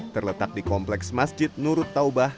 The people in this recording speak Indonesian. terletak di kompleks masjid nurut taubah